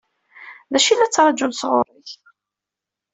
D acu i la ttṛaǧun sɣur-k?